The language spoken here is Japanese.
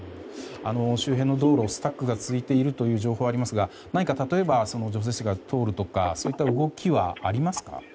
周辺の道路スタックが続いているという情報がありますが何か、例えば除雪車が通るといったような動きはありますか？